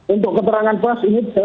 untuk keterangan pers ini